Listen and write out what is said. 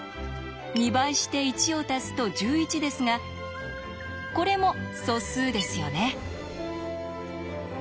２倍して１を足すと１１ですがこれも素数ですよね。